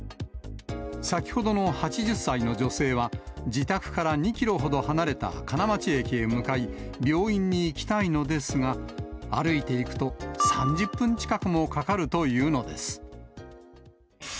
先ほどの８０歳の女性は、自宅から２キロほど離れた金町駅へ向かい、病院に行きたいのですが、歩いていくと３０分近くもかかるというのです。